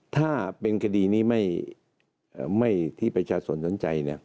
ถ้าเป็นคดีนี้ที่ประชาชนสนใจ